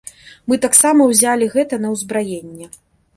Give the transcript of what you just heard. Мы таксама ўзялі гэта на ўзбраенне.